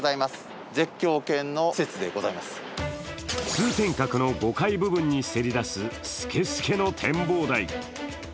通天閣の５階部分にせり出すスケスケの展望台。